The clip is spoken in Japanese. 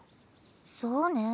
そうね。